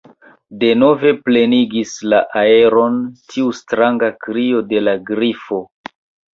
Denove plenigis la aeron tiu stranga krio de la Grifo.